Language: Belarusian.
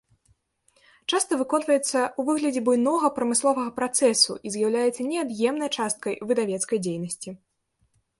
Часта выконваецца ў выглядзе буйнога прамысловага працэсу і з'яўляецца неад'емнай часткай выдавецкай дзейнасці.